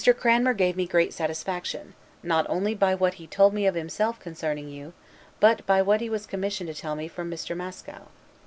Cranmer gave me great satisfaction, not only by what he told me of himself concerning you, but by what he was commissioned to tell me from Mr. Mascow.